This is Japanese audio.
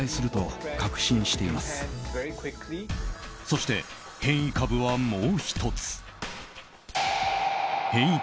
そして、変異株はもう１つ。